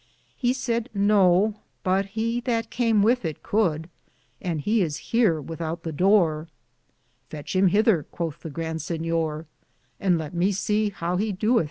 He sayd no, but he that came with it coulde, and he is heare without the dore. Fetche him hether, cothe the Grand Sinyor, and lett me se how he 1 Gatekeeper.